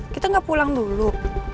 kita gak pulang dulu